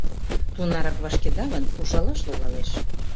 — Тунарак вашкеда гын, ужалаш логалеш.